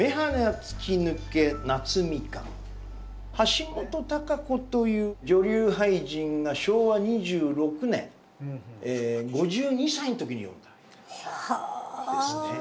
橋本多佳子という女流俳人が昭和２６年５２歳の時に詠んだ句ですね。